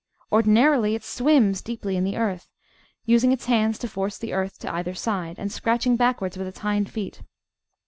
Ordinarily it "swims" deeply in the earth, using its hands to force the earth to either side, and scratching backwards with its hind feet.